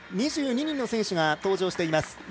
２２人の選手が登場します。